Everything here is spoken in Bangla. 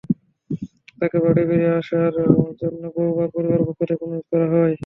তাঁকে বাড়ি ফিরে আসার জন্য বহুবার পরিবারের পক্ষ থেকে অনুরোধ করা হয়।